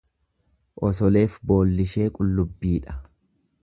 Osoleef boollishee qullubbiidha.